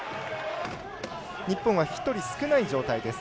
日本は１人少ない状態です。